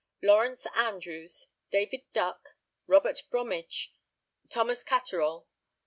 _ Lawrence Andrews. David Duck. Robert Bromadge. Thomas Cateroll.